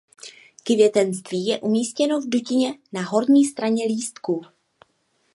Květenství je umístěno v dutině na horní straně „lístku“.